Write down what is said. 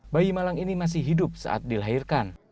bayi malang ini masih hidup saat dilahirkan